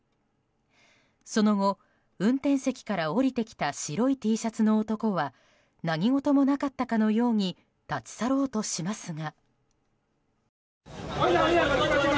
その後、運転席から降りてきた白いＴシャツの男は何事もなかったかのように立ち去ろうとしますが。